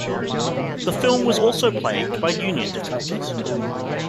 The film was also plagued by union difficulties.